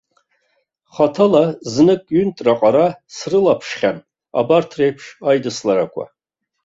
Хаҭала знык-ҩынтә раҟара срылаԥшхьан абарҭ реиԥш аидысларақәа.